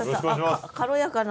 軽やかな。